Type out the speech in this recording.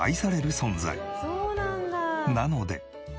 なので。